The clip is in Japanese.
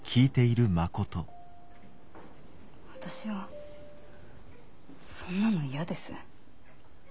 私はそんなの嫌です。